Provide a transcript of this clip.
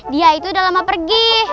dia itu udah lama pergi